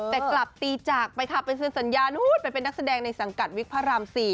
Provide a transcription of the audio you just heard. แต่กลับตีจากไปค่ะไปเซ็นสัญญานู้นไปเป็นนักแสดงในสังกัดวิกพระราม๔